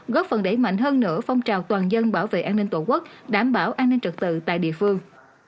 góp phần đẩy mạnh hơn nữa phong trào toàn dân bảo vệ an ninh tổ quốc đảm bảo an ninh trật tự tại địa phương